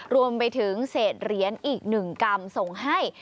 รวมไปถึงเศษเหรียญอีก๑กรัมส่งให้